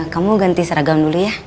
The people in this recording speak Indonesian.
kamu ganti seragam dulu ya